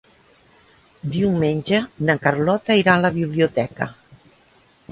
Diumenge na Carlota irà a la biblioteca.